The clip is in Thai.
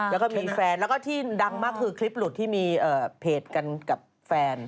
แล้วก็มีแฟนแล้วก็ที่ดังมากคือคลิปหลุดที่มีเพจกันกับแฟน